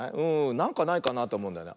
なんかないかなっておもうんだよね。